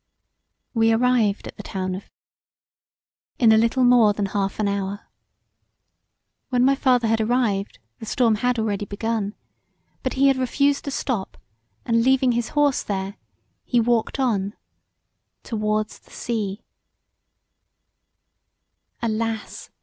We arrived at the town of in a little more than half an hour. When my father had arrived the storm had already begun, but he had refused to stop and leaving his horse there he walked on towards the sea. Alas!